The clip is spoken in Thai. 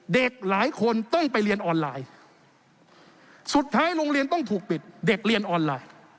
เด็กหลายคนต้องไปเรียนออนไลน์สุดท้ายโรงเรียนต้องถูกปิดเด็กเรียนออนไลน์